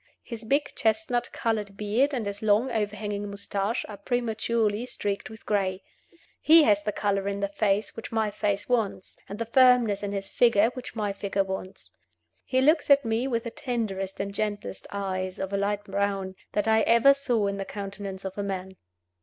His big chestnut colored beard and his long overhanging mustache are prematurely streaked with gray. He has the color in the face which my face wants, and the firmness in his figure which my figure wants. He looks at me with the tenderest and gentlest eyes (of a light brown) that I ever saw in the countenance of a man.